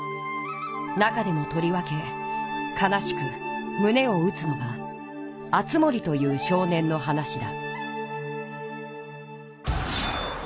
中でもとりわけかなしくむねをうつのが敦盛という少年のはなしだ。